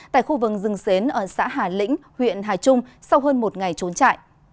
tại khu vườn dừng xến ở xã hà lĩnh huyện hà trung sau hơn một ngày trốn chạy